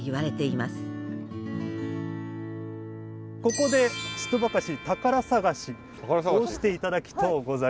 ここでちとばかし宝探しをして頂きとうござりまする。